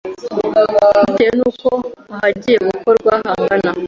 bitewe n’uko ahagiye gukorwa hangana